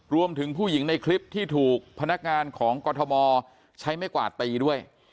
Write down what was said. รวมถึงผู้หญิงในคลิปที่ถูกพนักงานของกรทมใช้ไม่กวาดตีด้วย